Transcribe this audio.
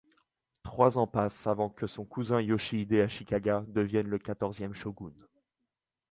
Trois ans passent avant que son cousin Yoshihide Ashikaga devienne le quatorzième shogun.